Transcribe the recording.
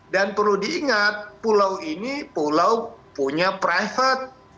dan perlu diingat pulau ini punya private